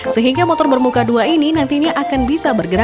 sehingga motor bermuka dua ini nantinya akan bisa bergerak